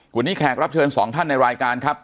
วันนี้แขกรับเชิญสองท่านในรายการครับ